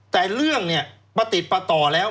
แต่เรื่องเนี่ยประติดประต่อแล้ว